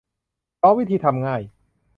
พร้อมวิธีทำง่าย